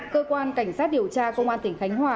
cơ quan cảnh sát điều tra công an tỉnh khánh hòa